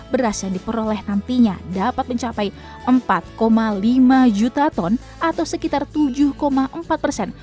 beras yang diperoleh nantinya dapat mencapai empat lima juta ton atau sekitar tujuh empat persen